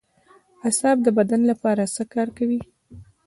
اعصاب د بدن لپاره څه کار کوي